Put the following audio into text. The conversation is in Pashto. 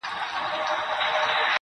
مــروره در څه نـه يمـه ه,